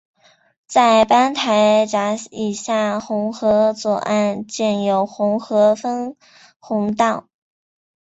在班台闸以下洪河左岸建有洪河分洪道。